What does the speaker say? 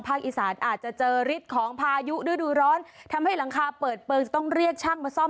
ฮัลโหลฮัลโหลฮัลโหลฮัลโหลฮัลโหลฮัลโหลฮัลโหล